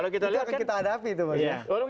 kita akan kita hadapi itu maksudnya